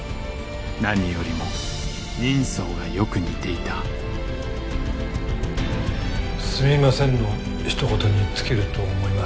何よりも人相がよく似ていた「すいません」のひと言に尽きると思います。